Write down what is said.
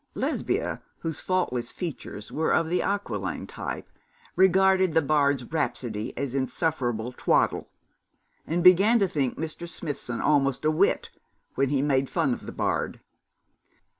Lesbia, whose faultless features were of the aquiline type, regarded the bard's rhapsody as insufferable twaddle, and began to think Mr. Smithson almost a wit when he made fun of the bard.